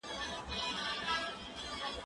که وخت وي، سندري اورم،